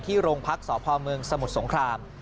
โรงพักษพเมืองสมุทรสงคราม